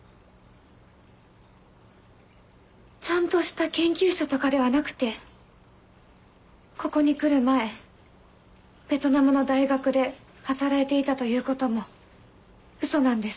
ちゃんとした研究者とかではなくてここに来る前ベトナムの大学で働いていたということもウソなんです。